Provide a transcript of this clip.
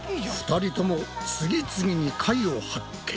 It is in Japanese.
２人とも次々に貝を発見！